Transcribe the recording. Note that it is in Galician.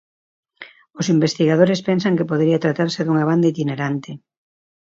Os investigadores pensan que podería tratarse dunha banda itinerante.